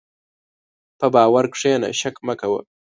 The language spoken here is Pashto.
په باور کښېنه، شک مه کوه.